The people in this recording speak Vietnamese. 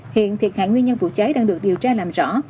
hiện thiệt hại nguyên nhân vụ cháy đang được điều tra làm rõ